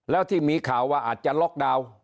แล้วที่มีข่าวว่าอาจจะล็อกดาวน์